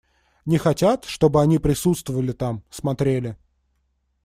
Не хотят, чтобы они присутствовали там, смотрели.